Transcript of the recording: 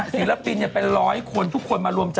ศิลปินเป็นร้อยคนทุกคนมารวมใจ